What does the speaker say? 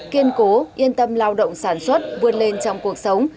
kiên cố yên tâm lao động sản xuất vươn lên trong cuộc sống